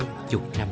mộng su kèm